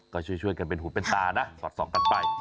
ก็ช่วยกันเป็นหูเป็นตานะสอดส่องกันไป